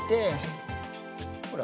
ほら。